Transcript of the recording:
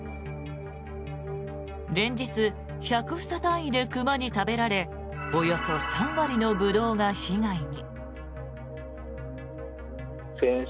連日、１００房単位で熊に食べられおよそ３割のブドウが被害に。